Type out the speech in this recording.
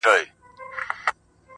ژوند لکه لمبه ده بقا نه لري-